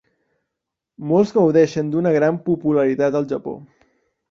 Molts gaudeixen d'una gran popularitat al Japó.